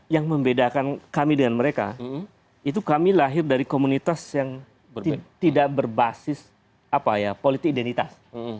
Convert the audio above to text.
yang membedakan kami dengan mereka itu kami lahir dari komunitas yang tidak berbasis politik identitas